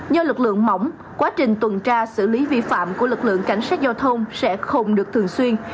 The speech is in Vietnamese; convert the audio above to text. do lực lượng mỏng quá trình tuần tra xử lý vi phạm của lực lượng cảnh sát giao thông sẽ không được thường xuyên